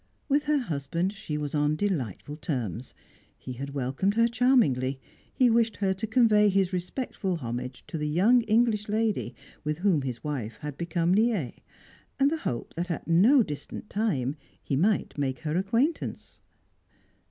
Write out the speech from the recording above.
With her husband she was on delightful terms; he had welcomed her charmingly; he wished her to convey his respectful homage to the young English lady with whom his wife had become liee, and the hope that at no distant time he might make her acquaintance.